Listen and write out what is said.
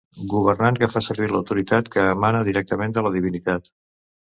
Governant que fa servir l'autoritat que emana directament de la divinitat.